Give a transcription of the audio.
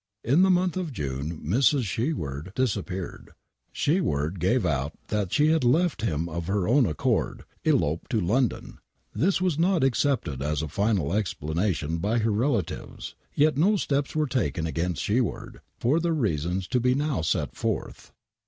In the month of June Mrs. Sheward disappeared. Sheward gave out that she had left him of her own accord — eloped to Londoii. This was not accepted as a final explanation by her relatives, yet no steps were taken against Sheward tor the reasons to be now set forth.